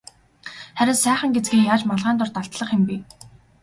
Харин сайхан гэзгээ яаж малгайн дор далдлах юм бэ?